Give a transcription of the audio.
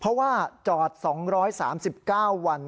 เพราะว่าจอด๒๓๙วัน